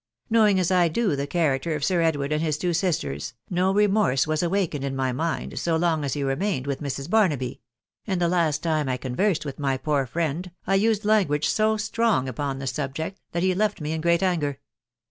Knowing as I do the character of Sir Edward and his two sisters, no remorse was awakened in my mind so long as you remained with Mrs. Barnaby .... and the last time I conversed with my poor friend, I used language so strong upon the subject that ht left me in great anger.